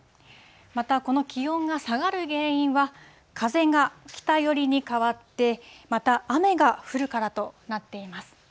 またこの気温が下がる原因は、風が北寄りに変わって、また雨が降るからとなっています。